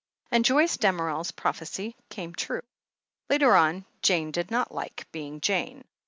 And Joyce Damerel's prophecy came true. Later on, Jane did not like being Jane.